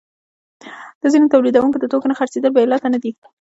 د ځینو تولیدونکو د توکو نه خرڅېدل بې علته نه دي